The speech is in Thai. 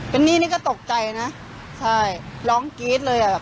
มันนี่นี่ก็ตกใจนะใช่ร้องกรีทเลยอะ